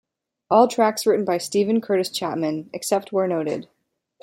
All tracks written by Steven Curtis Chapman, except where noted.